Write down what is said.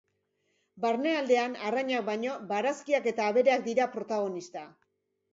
Barnealdean, arrainak baino, barazkiak eta abereak dira protagonista.